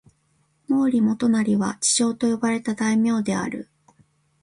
毛利元就は智将と呼ばれた大名である。